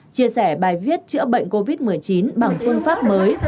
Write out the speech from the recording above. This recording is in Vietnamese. chia sẻ bài viết chữa bệnh covid một mươi chín bằng phương pháp mới